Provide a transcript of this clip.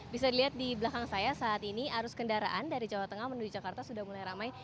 bisa dilihat di belakang saya saat ini arus kendaraan dari jawa tengah menuju jakarta sudah mulai ramai